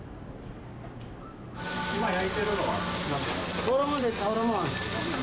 今焼いてるのは何ですか？